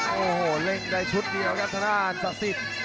โอ้โหเล็งได้ชุดเดียวกับธนาคตศาสิทธิ์